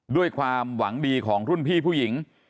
ด้วยความหวังดีของรุ่นพี่ผู้หญิง